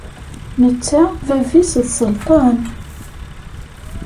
Netta bab-is d sselṭan.